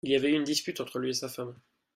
Il y avait eu une dispute entre lui et sa femme.